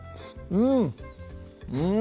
うん！